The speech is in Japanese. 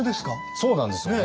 そうなんですよね。